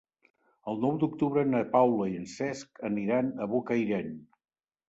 El nou d'octubre na Paula i en Cesc aniran a Bocairent.